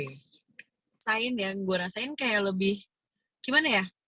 rasain yang gue rasain kayak lebih gimana ya